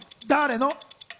誰の？